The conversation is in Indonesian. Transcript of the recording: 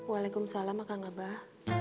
waalaikumsalam akan abah